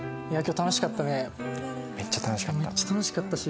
めっちゃ楽しかったし。